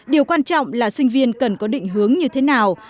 điều quan trọng là sinh viên cần có định hướng như thế nào